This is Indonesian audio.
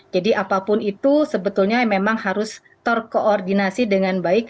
jadi apapun itu sebetulnya memang harus terkoordinasi dengan baik